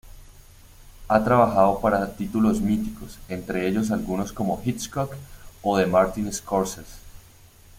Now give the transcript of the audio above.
Ha trabajado para títulos míticos, entre ellos algunos de Hitchcock o de Martin Scorsese.